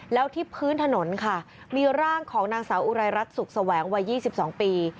แล้วที่พื้นถนนค่ะมีร่างของนางสาวอุไรรัฐสุขแสวงวัย๒๒ปี